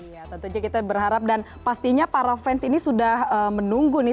iya tentu aja kita berharap dan pastinya para fans ini sudah menunggu nih